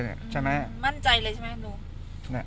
มั่นใจเลยใช่มะลูก